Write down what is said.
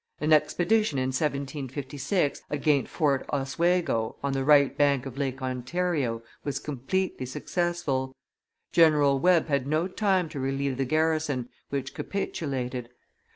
An expedition, in 1756, against Fort Oswego, on the right bank of Lake Ontario, was completely successful; General Webb had no time to relieve the garrison, which capitulated.